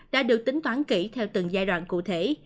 đã được tính toán kỹ theo từng giai đoạn cụ thể